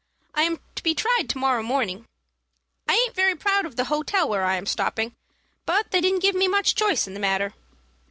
I am to be tried to morrow morning. I aint very proud of the hotel where I am stopping, but they didn't give me much choice in the matter.